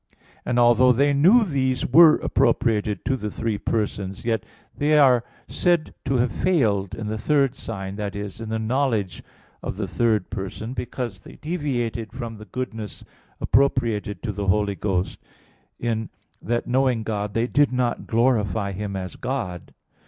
And although they knew these were appropriated to the three persons, yet they are said to have failed in the third sign that is, in the knowledge of the third person, because they deviated from the goodness appropriated to the Holy Ghost, in that knowing God "they did not glorify Him as God" (Rom.